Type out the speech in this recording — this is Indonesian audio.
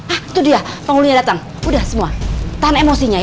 ah itu dia penghulunya datang udah semua tahan emosinya ya